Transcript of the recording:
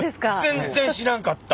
全然知らんかった！